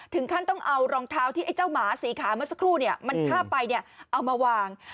ถึงขั้นต้องเอารองเท้าที่ไอ้เจ้าหมาสีขาวเมื่อสักครู่มันฆ่าไปเอามาวาง